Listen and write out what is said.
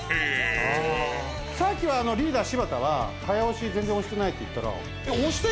さっきはリーダー柴田は早押し全然押してないって言ったら。